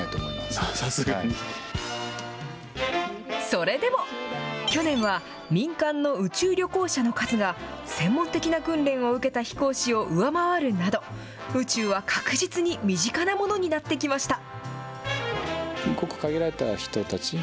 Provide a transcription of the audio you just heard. それでも、去年は民間の宇宙旅行者の数が、専門的な訓練を受けた飛行士を上回るなど、宇宙は確実に身近なものになってきました。